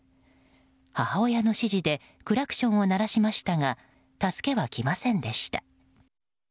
母親の指示でクラクションを鳴らしましたが助けは来ませんでした。